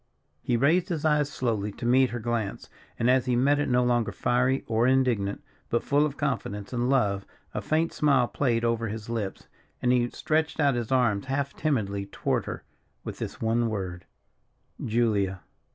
He raised his eyes slowly to meet her glance, and as he met it no longer fiery or indignant, but full of confidence and love, a faint smile played over his lips, and he stretched out his arms half timidly toward her, with this one word: "Julia!"